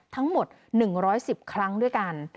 ทั้งหมด๑๑๐ครั้งด้วยกัน